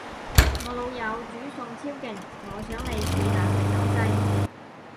我老友煮餸超勁，我想你試下佢手勢